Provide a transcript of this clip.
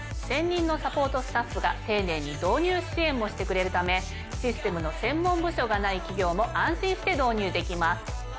専任のサポートスタッフが丁寧に導入支援もしてくれるためシステムの専門部署がない企業も安心して導入できます。